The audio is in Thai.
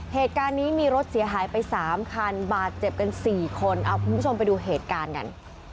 เหตุการณ์นี้มีรถเสียหายไป๓คันบาดเจ็บกัน๔คนเอาคุณผู้ชมไปดูเหตุการณ์กัน